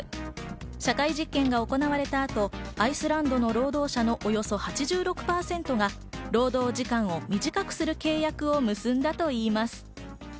社会実験が行われた後、アイスランドの労働者のおよそ８６％が労働時間を短くする契約を結んだといいます。